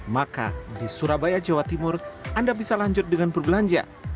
maka di surabaya jawa timur anda bisa lanjut dengan berbelanja